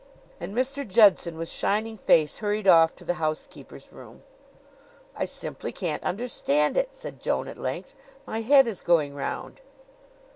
And Mr. Judson, with shining face, hurried off to the housekeeper's room. "I simply can't understand it," said Joan at length. "My head is going round."